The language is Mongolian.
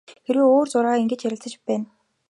Хэрээ өөр зуураа ингэж ярилцаж байна.